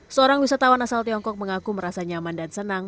seorang wisatawan asal tiongkok mengaku merasa nyaman dan senang